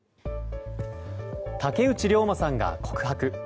竹内涼真さんが告白。